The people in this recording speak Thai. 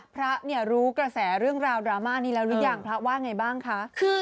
พระเนี่ยรู้กระแสเรื่องราวดราม่านี้แล้วหรือยังพระว่าไงบ้างคะ